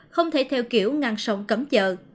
không thể theo kiểu ngăn sông cấm chợ